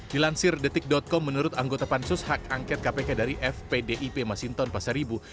dilansir detik com menurut anggota pansus hak angket kpk dari fpdip masinton pasaribu